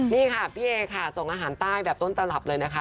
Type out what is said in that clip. นี่ค่ะพี่เอค่ะส่งอาหารใต้แบบต้นตลับเลยนะคะ